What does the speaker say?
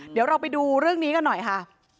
เดี๋ยวเราไปดูเรื่องนี้กันหน่อยค่ะ